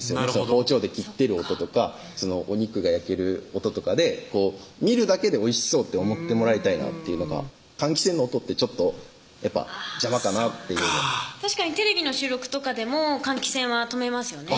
包丁で切ってる音とかお肉が焼ける音とかで見るだけでおいしそうって思ってもらいたいなっていうのが換気扇の音ってちょっとやっぱ邪魔かなっていう確かにテレビの収録とかでも換気扇は止めますよね